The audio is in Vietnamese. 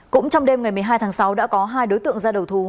cũng trong đêm ngày một mươi hai tháng sáu đã có hai đối tượng ra đầu thú